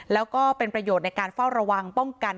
แล้วก็เป็นประโยชน์ในการเฝ้าระวังป้องกัน